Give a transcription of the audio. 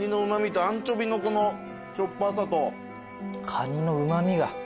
カニのうま味が。